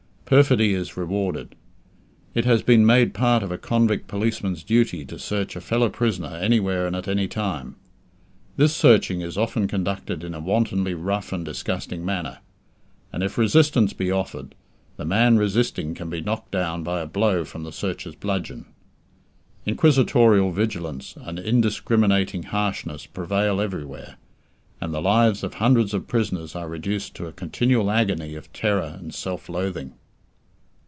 Perfidy is rewarded. It has been made part of a convict policeman's duty to search a fellow prisoner anywhere and at any time. This searching is often conducted in a wantonly rough and disgusting manner; and if resistance be offered, the man resisting can be knocked down by a blow from the searcher's bludgeon. Inquisitorial vigilance and indiscriminating harshness prevail everywhere, and the lives of hundreds of prisoners are reduced to a continual agony of terror and self loathing.